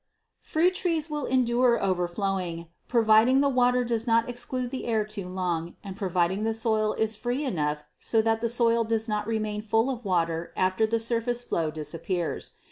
Fruit trees will endure overflowing, providing the water does not exclude the air too long and providing the soil is free enough so that the soil does not remain full of water after the surface flow disappears.